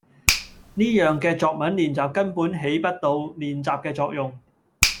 呢樣嘅作文練習根本起不到練習嘅作用